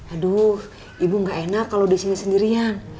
aduh ibu gak enak kalau disini sendirian